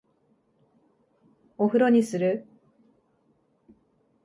お風呂にする？